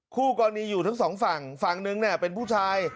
คู่กรณีอยู่ทั้งสองฝั่งฝั่งนึงเนี่ยเป็นผู้ชาย